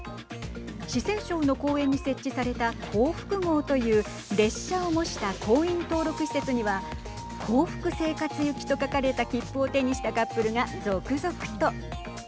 四川省の公園に設置された幸福号という列車を模した婚姻登録施設には幸福生活行きと書かれた切符を手にしたカップルが続々と。